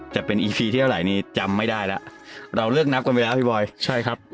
จะเป็นที่เราหลายนี้จำไม่ได้ล่ะเราเลือกนับกวนไปแล้วพี่บอยใช่ครับ